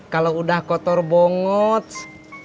kalau udah kotor bongots